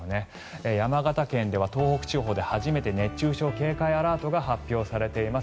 山形県では東北地方で初めて熱中症警戒アラートが発表されています。